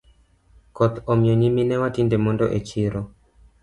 Koth omiyo nyiminewa tinde mondo e chiro.